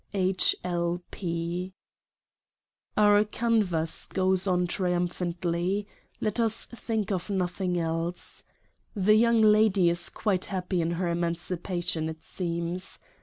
H. L. P. Our Canvass goes on triumphantly: let us think of nothing else. The Young Lady is quite happy in her Emancipation, it seems.